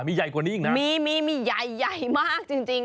มีใหญ่กว่านี้อีกนะมีมีใหญ่มากจริง